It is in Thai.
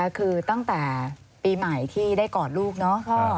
คือตั้งแต่ปีใหม่ที่ได้กอดลูกเนาะ